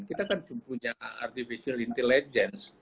kita kan punya artificial intelligence